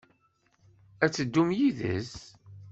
Ad teddum yid-s?